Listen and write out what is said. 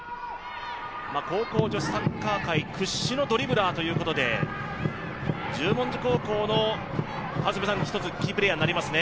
高校女子サッカー界屈指のドリブラーということで、十文字高校のキープレーヤーになりますね。